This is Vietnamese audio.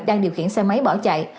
đang điều khiển xe máy bỏ chạy